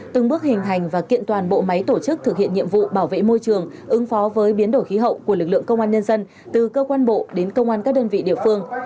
từng bước hình hành và kiện toàn bộ máy tổ chức thực hiện nhiệm vụ bảo vệ môi trường ứng phó với biến đổi khí hậu của lực lượng công an nhân dân từ cơ quan bộ đến công an các đơn vị địa phương